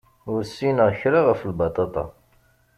Ur ssineɣ kra ɣef lbaṭaṭa.